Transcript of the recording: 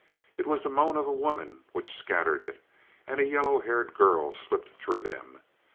It was the moan of a woman which had scattered it, and a yellow haired girl slipped through them.